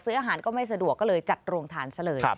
อาหารก็ไม่สะดวกก็เลยจัดโรงทานซะเลย